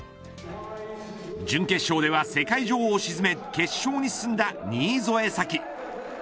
準決勝では世界女王を沈め決勝に進んだ新添左季。